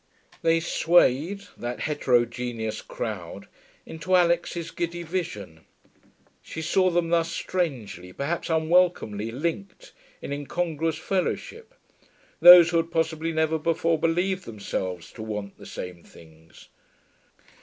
They swayed, that heterogeneous crowd, into Alix's giddy vision; she saw them thus strangely, perhaps unwelcomely, linked, in incongruous fellowship, those who had possibly never before believed themselves to want the same things.